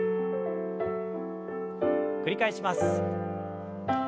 繰り返します。